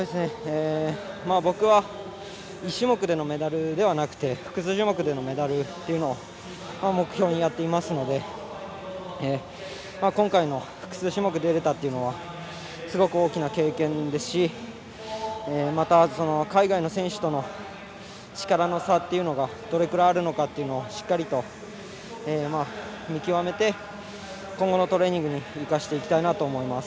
僕は１種目でのメダルではなくて複数種目でのメダルを目標にやっていますので今回、複数種目に出れたというのはすごく大きな経験ですしまた、海外の選手との力の差というのがどれくらいあるかというのをしっかりと見極めて今後のトレーニングに生かしていきたいなと思います。